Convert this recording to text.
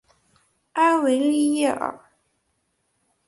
埃维利耶尔。